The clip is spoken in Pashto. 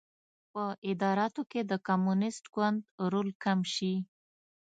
په اداراتو کې د کمونېست ګوند رول کم شي.